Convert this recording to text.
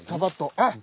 あっ！